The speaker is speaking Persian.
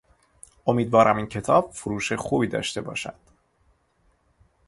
امیدوارم این کتاب فروش خوبی داشته باشد.